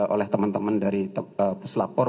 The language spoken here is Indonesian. oleh teman teman dari puslapor